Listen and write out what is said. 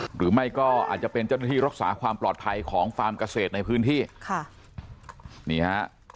หรือไม่ก็อาจจะเป็นเจ้าหน้าที่รักษาความปลอดภัยของฟาร์มเกษตรในพื้นที่ค่ะนี่ฮะ